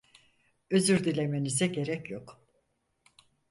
Özür dilemenize gerek yok.